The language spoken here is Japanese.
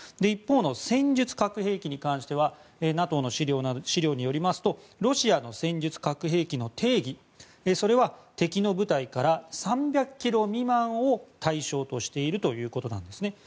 一方の戦術核兵器についてはＮＡＴＯの資料によりますとロシアの戦術核兵器の定義それは敵の部隊から３００ｋｍ未満を対象としているということです。